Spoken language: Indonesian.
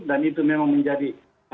dan itu memang menjadi